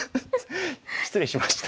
失礼しました。